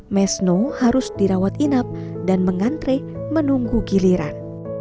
mesno harus dirawat inap dan mengantre menunggu giliran